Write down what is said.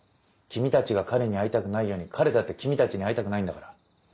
君たちが彼に会いたくないように彼だって君たちに会いたくないんだから。